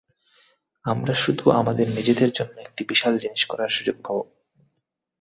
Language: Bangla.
আমরা শুধু আমাদের নিজেদের জন্য একটি বিশাল জিনিস করার সুযোগ পাব।